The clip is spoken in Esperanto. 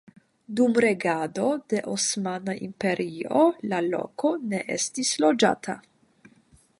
Dum regado de Osmana Imperio la loko ne estis loĝata.